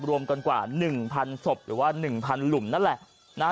รวมกันกว่า๑๐๐ศพหรือว่า๑๐๐หลุมนั่นแหละนะฮะ